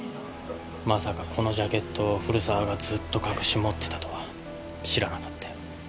まさかこのジャケットを古沢がずっと隠し持ってたとは知らなかったよ。